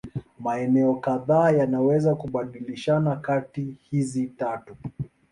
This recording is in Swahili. Maeneo kadhaa yanaweza kubadilishana kati hizi tatu.